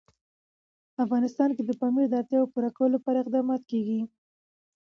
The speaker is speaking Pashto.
افغانستان کې د پامیر د اړتیاوو پوره کولو لپاره اقدامات کېږي.